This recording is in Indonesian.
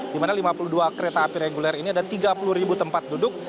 dimana lima puluh dua kereta api reguler ini ada tiga puluh tempat duduk